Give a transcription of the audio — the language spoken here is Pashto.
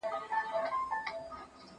انعامونه درکومه په سل ګوني